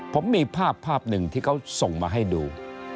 ผมมีภาพภาพหนึ่งที่เขาส่งมาให้ดู